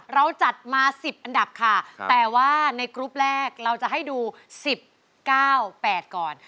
ค่ะเราจัดมาสิบอันดับค่ะแต่ว่าในกรุ๊ปแรกเราจะให้ดูสิบเก้าแปดก่อน